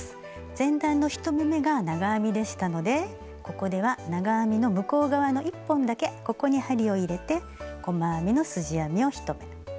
前段の１目めが長編みでしたのでここでは長編みの向こう側の１本だけここに針を入れて細編みのすじ編みを１目。